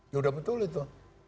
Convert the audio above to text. ya udah betul itu